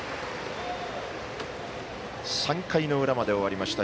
３回の裏まで終わりました。